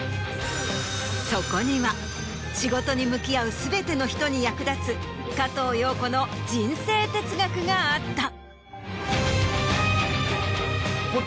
そこには仕事に向き合うすべての人に役立つ加藤庸子の人生哲学があった。